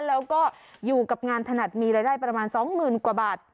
แล้วก็อยู่กับงานถนัดมีรายได้ประมาณ๒๐๐๐กว่าบาท